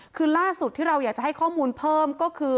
คือล่าสุดที่เราอยากจะให้ข้อมูลเพิ่มก็คือ